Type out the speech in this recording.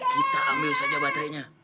kita ambil saja baterainya